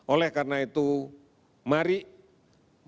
oleh karena itu mari kita lindungi diri kita